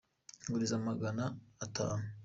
Nguriza magana atanu.